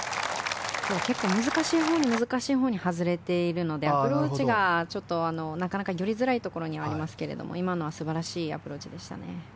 今日、結構難しいほうに外れているのでアプローチがちょっとなかなか寄りづらいところにはありますが今のは素晴らしいアプローチでしたね。